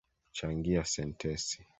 Changia sentensi